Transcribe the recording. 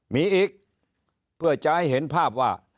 มีอีกเพื่อจะให้เห็นภาพว่า